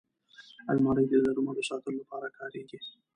الماري د درملو ساتلو لپاره کارېږي